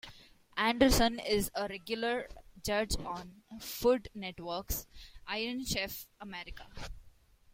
Anderson is a regular judge on Food Network's "Iron Chef America".